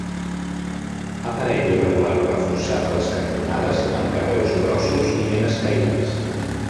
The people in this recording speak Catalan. Aparell irregular reforçat a les cantonades amb carreus grossos i ben escairats.